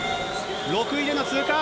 ６位での通過。